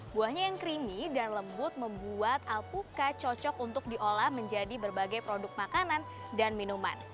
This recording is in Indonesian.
buahnya yang creamy dan lembut membuat alpukat cocok untuk diolah menjadi berbagai produk makanan dan minuman